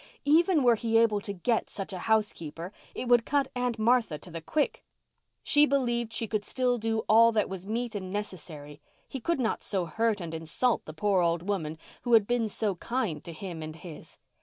Even were he able to get such a housekeeper it would cut Aunt Martha to the quick. She believed she could still do all that was meet and necessary. He could not so hurt and insult the poor old woman who had been so kind to him and his.